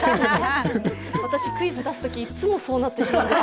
私クイズ出すとき、いつもそうなってしまうんですよ。